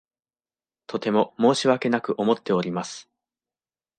とても申し訳なく思っております。